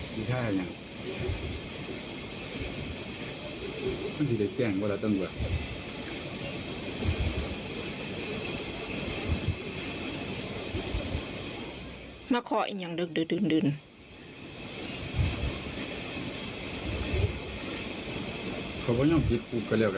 พี่ท่านเนี่ยมันจะแกล้งว่าเราต้องกว่า